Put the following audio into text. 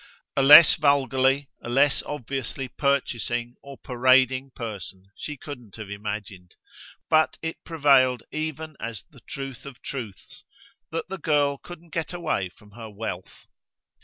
A less vulgarly, a less obviously purchasing or parading person she couldn't have imagined; but it prevailed even as the truth of truths that the girl couldn't get away from her wealth.